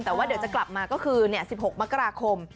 แต่ว่าเดี๋ยวจะกลับมาก็คือ๑๖มกราคม